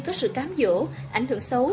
có sự cám dỗ ảnh hưởng xấu